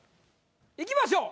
いきましょう。